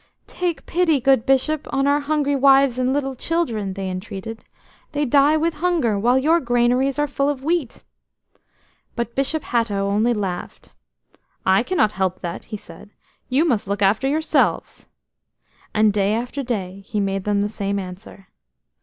"Take pity, good Bishop, on our hungry wives and little children," they entreated. "They die with hunger while your granaries are full of wheat." But Bishop Hatto only laughed. "I cannot help that," he said. "You must look after yourselves." And day after day he made them the same answer.